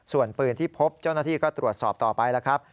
ส่วนปืนที่พบเจ้าหน้าที่ก็ตรวจสอบต่อไปแล้วครับ